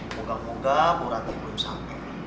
moga moga borat yang belum sampai